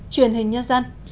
truyền hình nhân dân